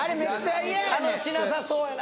楽しなさそうやな。